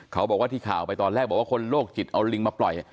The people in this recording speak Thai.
เขาบอกว่าที่ข่าวไปตอนแรกบอกว่าคนโรคจิตเอาลิงมาปล่อย